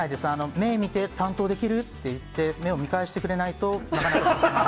目見て、担当できる？って言って、目を見返してくれないと、なかなか進まない。